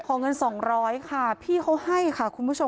เงิน๒๐๐ค่ะพี่เขาให้ค่ะคุณผู้ชม